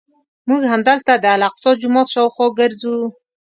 موږ همدلته د الاقصی جومات شاوخوا ګرځو.